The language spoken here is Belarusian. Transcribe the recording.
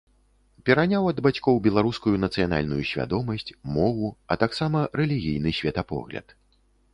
Пераняў ад бацькоў беларускую нацыянальную свядомасць, мову, а таксама рэлігійны светапогляд.